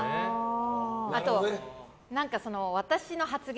あと、私の発言。